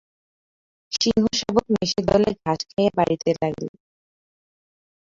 সিংহশাবক মেষের দলে ঘাস খাইয়া বাড়িতে লাগিল।